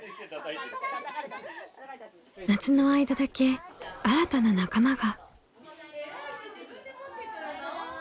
夏の間だけ新たな仲間が。